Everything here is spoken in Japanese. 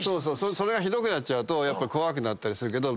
それがひどくなっちゃうと怖くなったりするけど。